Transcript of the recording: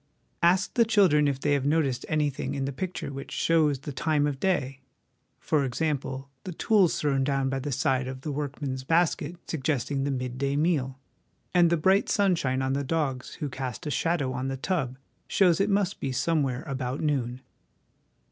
Ask the children if they have noticed anything in the picture which shows the time of day: for example, the tools thrown down by the side of the workman's basket suggesting the mid day meal ; and the bright sunshine on the dogs who cast a shadow on the tub shows it must be somewhere about noon.